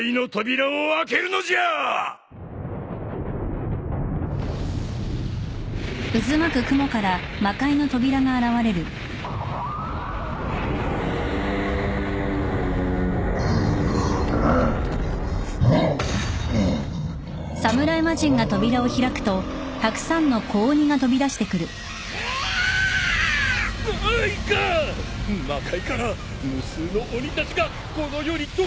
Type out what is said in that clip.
魔界から無数の鬼たちがこの世に解き放たれる！